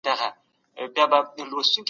باطل هیڅکله رښتینی مینه نه سي موندلای.